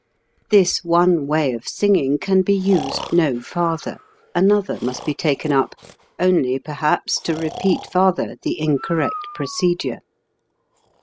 This one way of singing can be used no farther; another must be taken up, only, perhaps, to repeat farther the incorrect procedure.